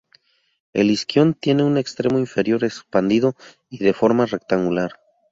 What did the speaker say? El isquion tiene un extremo inferior expandido y de forma rectangular.